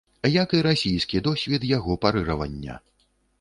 Як і расійскі досвед яго парыравання.